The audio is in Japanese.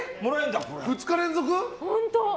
２日連続？